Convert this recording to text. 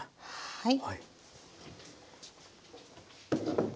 はい。